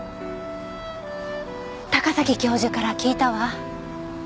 高崎教授から聞いたわ。